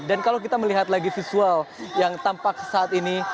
dan kalau kita melihat lagi visual yang tampak saat ini